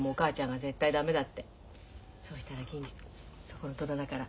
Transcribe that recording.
そしたら銀次そこの戸棚から。